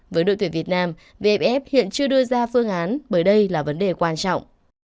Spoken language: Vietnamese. với đội tuyển việt nam vff hiện chưa đưa ra phương án bởi đây là vấn đề quan trọng